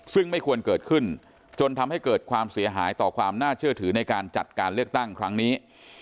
ซึ่งไม่ควรเกิดขึ้นจนทำให้เกิดความเสียหายต่อความน่าเชื่อถือในการจัดการเลือกตั้งครั้งนี้